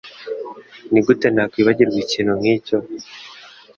Nigute nakwibagirwa ikintu nkicyo?